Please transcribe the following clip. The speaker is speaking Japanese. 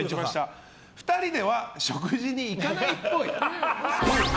２人では、食事に行かないっぽい。